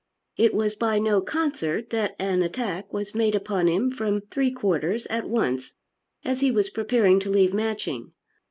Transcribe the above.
It was by no concert that an attack was made upon him from three quarters at once as he was preparing to leave Matching.